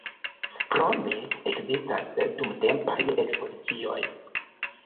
Krome ekzistas dumtempaj ekspozicioj.